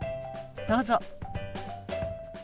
どうぞ。